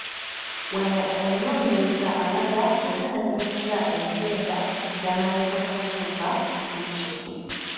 Wano omunoonyereza alaga era n’annyonnyola empenda z’anaayitamu okutuuka ku kizibu kye.